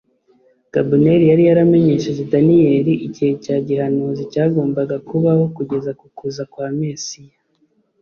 Gabneli yari yaramenyesheje Daniel igihe cya gihanuzi cyagombaga kubaho kugeza ku kuza kwa Mesiya.